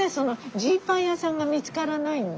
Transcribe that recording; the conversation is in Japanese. ジーパン屋さんが見つからないんで。